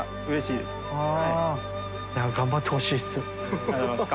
ありがとうございます。